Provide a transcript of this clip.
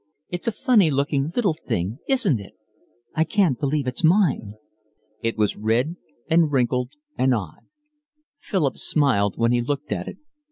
"It's a funny looking little thing, isn't it? I can't believe it's mine." It was red and wrinkled and odd. Philip smiled when he looked at it.